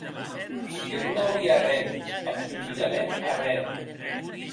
Que non auie arren, absoludament arren.